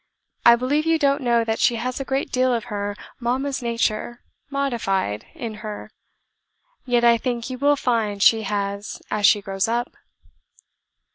I believe you don't know that she has a great deal of her mama's nature (modified) in her; yet I think you will find she has as she grows up.